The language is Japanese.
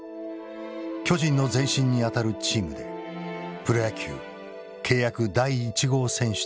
巨人の前身にあたるチームでプロ野球契約第一号選手となった。